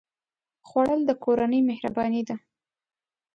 خوړل د کورنۍ مهرباني ده